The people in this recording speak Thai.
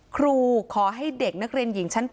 ครูขอให้เด็กนักเรียนหญิงชั้น๘